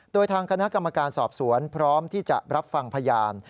โดยทางคณะกรรมการสอบสวนพร้อมที่จะรับฟังพยาน